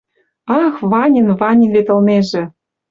«Ах, Ванин, Ванин вет ылнежӹ!..